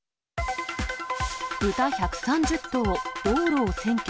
豚１３０頭、道路を占拠。